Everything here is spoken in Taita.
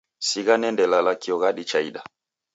Sigha niendelala kio ghadi chaida.